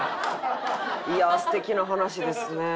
いやあ素敵な話ですね。